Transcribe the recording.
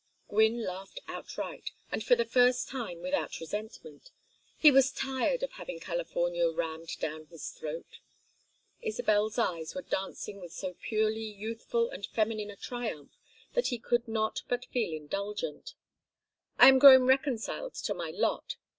Gwynne laughed outright, and for the first time without resentment; he was tired of having California "rammed down his throat." Isabel's eyes were dancing with so purely youthful and feminine a triumph that he could not but feel indulgent. "I am growing reconciled to my lot.